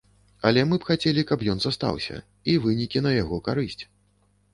Але мы б хацелі, каб ён застаўся, і вынікі на яго карысць.